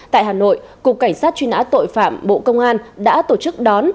tại hà nội cục cảnh sát truy nã tội phạm bộ công an đã tổ chức đón